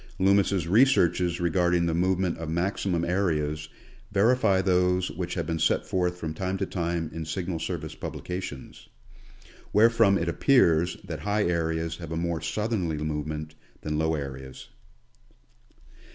Loomis' researches re garding the movement of maximum areas verify those which have been set forth from time to time in Signal Service publica tions ; wherefrom it appears that high areas have a more south erly movement than low areas.